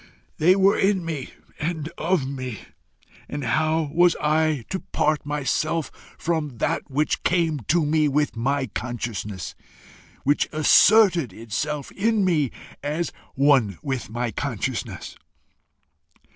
They were in me and of me, and how was I to part myself from that which came to me with my consciousness, which asserted itself in me as one with my consciousness?